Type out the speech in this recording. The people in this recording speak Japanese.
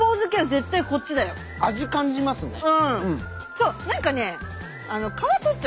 そう何かね